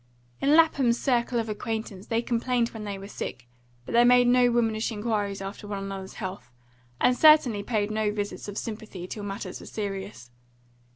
In Lapham's circle of acquaintance they complained when they were sick, but they made no womanish inquiries after one another's health, and certainly paid no visits of sympathy till matters were serious.